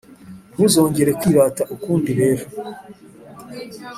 ntuzongere kwirata ukundi rero.